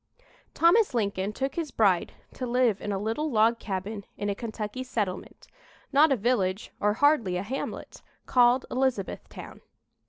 Thomas Lincoln took his bride to live in a little log cabin in a Kentucky settlement not a village or hardly a hamlet called Elizabethtown.